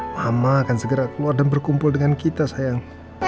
mama akan segera keluar dan berkumpul dengan kita sayang